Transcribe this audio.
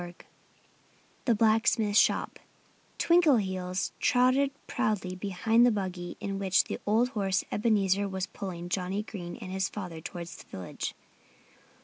XVI THE BLACKSMITH'S SHOP Twinkleheels trotted proudly behind the buggy in which the old horse Ebenezer was pulling Johnnie Green and his father towards the village.